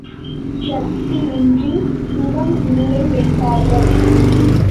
சக்தி யின்றிச் சிவம் இல்லை என்பார்கள்.